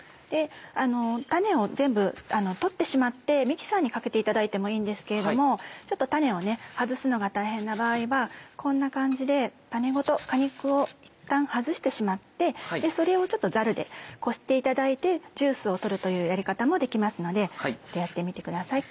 種を全部取ってしまってミキサーにかけていただいてもいいんですけれどもちょっと種を外すのが大変な場合はこんな感じで種ごと果肉をいったん外してしまってそれをちょっとザルでこしていただいてジュースを取るというやり方もできますのでやってみてください。